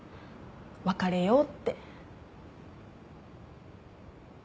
別れようって。